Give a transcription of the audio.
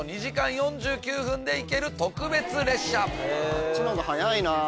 こっちの方が早いな。